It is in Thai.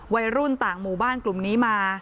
วัยรุ่นต่างหมู่บ้านกลุ่มนี้มา